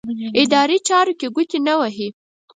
اداري چارو کې ګوتې نه وهي.